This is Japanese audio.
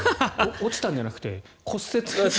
落ちたんじゃなくて骨折した。